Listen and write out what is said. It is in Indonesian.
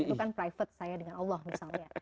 itu kan private saya dengan allah misalnya